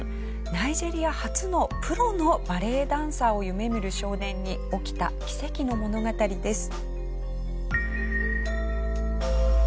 ナイジェリア初のプロのバレエダンサーを夢見る少年に起きた奇跡の物語です。